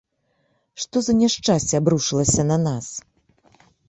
Што за няшчасце абрушылася на нас?